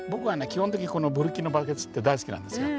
基本的にこのブリキのバケツって大好きなんですよ。